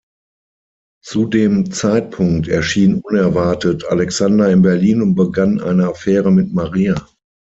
Zu dem Zeitpunkt erschien unerwartet Alexander in Berlin und begann eine Affäre mit Maria.